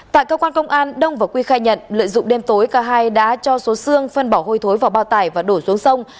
tại cơ quan công an đông và quy khai nhận lợi dụng đêm tối cả hai đã cho số sương phân bỏ hôi thối vào bao tải và đổ xuống sông